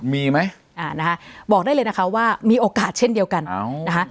มีไหมอ่านะคะบอกได้เลยนะคะว่ามีโอกาสเช่นเดียวกันนะคะ